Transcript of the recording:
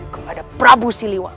kepada prabu siliwangi